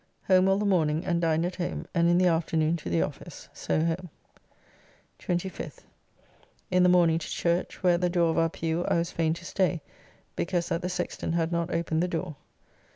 Home all the morning and dined at home, and in the afternoon to the office. So home. 25th. In the morning to church, where at the door of our pew I was fain to stay, because that the sexton had not opened the door.